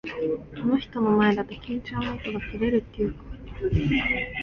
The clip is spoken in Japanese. あの人の前だと、緊張の糸が切れるっていうか。